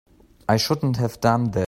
I shouldn't have done that.